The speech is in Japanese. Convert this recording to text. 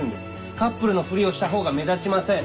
カップルのふりをしたほうが目立ちません。